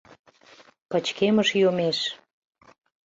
Пычкемыш йомеш